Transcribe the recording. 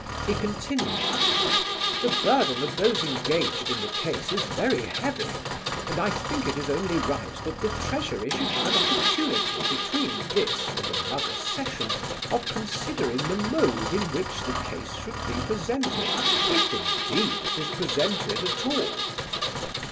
He continued: "The burden of those engaged in the case is very heavy, and I think it only right that the Treasury should have an opportunity between this and another session of considering the mode in which the case should be presented, if indeed it is presented at all."